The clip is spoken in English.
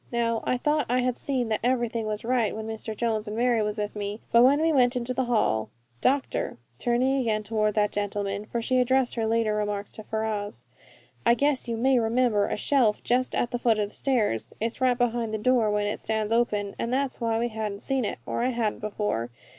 Now, I thought I had seen that everything was right when Mr. Jones and Mary was with me, but when we went into that hall Doctor " turning again toward that gentlemen, for she had addressed her later remarks to Ferrars, "I guess you may remember a shelf just at the foot of the stairs. It's right behind the door, when it stands open, and that's why we hadn't seen it, or I hadn't before.